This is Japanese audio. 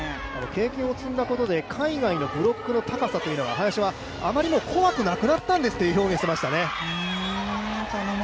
経験を積んだことで林は海外のブロックの高さというのがあまり怖くなくなったんですという話をしていましたね。